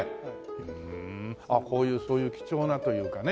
あっこういうそういう貴重なというかね。